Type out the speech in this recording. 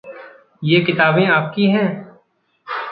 ये किताबें आपकी हैं।